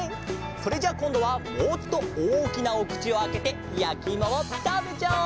それじゃあこんどはもっとおおきなおくちをあけてやきいもをたべちゃおう！